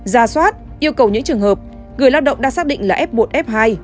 ra soát yêu cầu những trường hợp người lao động đã xác định là f một f hai